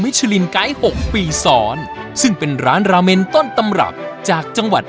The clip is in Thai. ชลินไกด์หกปีซ้อนซึ่งเป็นร้านราเมนต้นตำรับจากจังหวัด